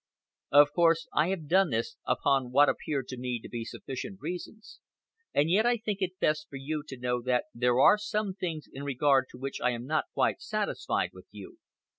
Of course I have done this upon what appear to me to be sufficient reasons, and yet I think it best for you to know that there are some things in regard to which I am not quite satisfied with you.